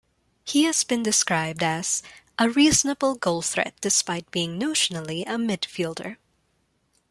He has been described as "a reasonable goal threat despite being notionally a Midfielder".